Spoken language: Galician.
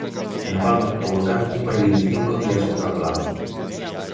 E na Palma, o volcán cumpre vinte e cinco días botando lava.